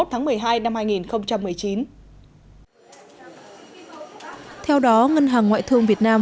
theo đó ngân hàng ngoại thương việt nam vietcombank giảm một